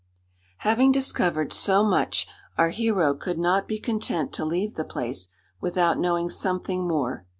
Having discovered so much, our hero could not be content to leave the place without knowing something more.